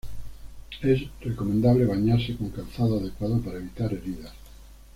Es recomendable bañarse con calzado adecuado para evitar heridas.